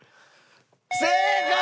正解！